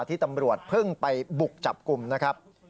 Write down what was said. ที่ตำรวจเพิ่งไปบุกจับกลุ่มนะครับ